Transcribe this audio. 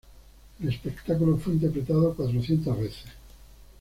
El espectáculo fue interpretado cuatrocientas veces.